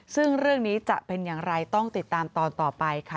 ซึ่งเรื่องนี้จะเป็นอย่างไรต้องติดตามตอนต่อไปค่ะ